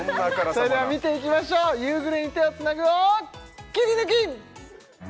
それでは見ていきましょう「夕暮れに、手をつなぐ」をキリヌキ！